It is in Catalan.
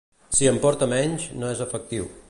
Si en porta menys, no és efectiu.